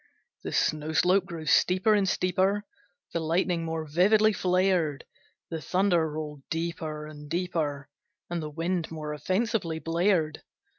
The snow slope grew steeper and steeper; The lightning more vividly flared; The thunder rolled deeper and deeper; And the wind more offensively blared.